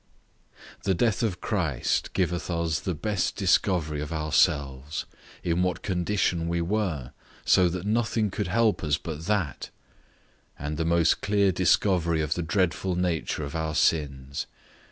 The death of Christ giveth us the best discovery of ourselves; in what condition we were, so that nothing could help us but that; and the most clear discovery of the dreadful nature of our sins.